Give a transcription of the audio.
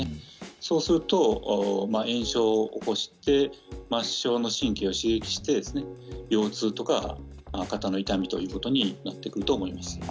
そうすると炎症を起こして末しょう神経を刺激して腰痛とか肩の痛みということになってくると思います。